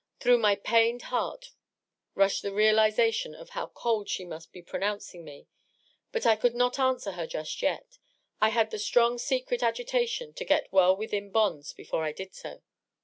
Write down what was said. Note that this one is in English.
Through my pained heart rushed the realization of how cold she must be pronouncing me. But I could not answer her just yet ; I had a strong secret agitation to get well within bonds before I did so.